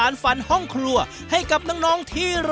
เร็วกว่านี้